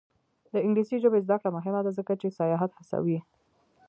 د انګلیسي ژبې زده کړه مهمه ده ځکه چې سیاحت هڅوي.